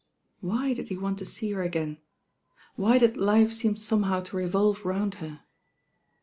Why did he want to see her again? Why did life seem somehow to revolve round her?